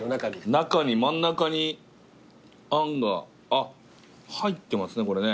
中に真ん中にあんがあっ入ってますねこれね。